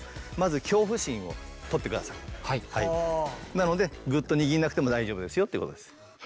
なのでグッと握んなくても大丈夫ですよってことです。